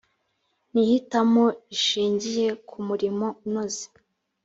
ni ihitamo rishingiye ku murimo unoze